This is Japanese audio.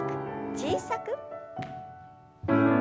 小さく。